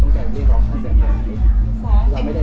เพราะว่าเราต้องการเรียกร้องทางเสียงอย่างนี้